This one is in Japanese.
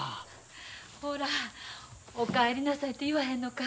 ほらお帰りなさいって言わへんのか？